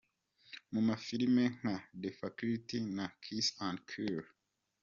mu mafilime nka "The Faculty" na "Kiss and Kill".